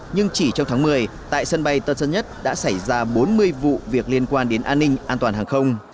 nhưng chỉ trong tháng một mươi tại sân bay tân sơn nhất đã xảy ra bốn mươi vụ việc liên quan đến an ninh an toàn hàng không